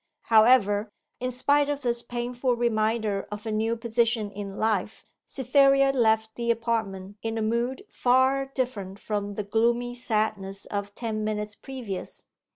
However, in spite of this painful reminder of her new position in life, Cytherea left the apartment in a mood far different from the gloomy sadness of ten minutes previous.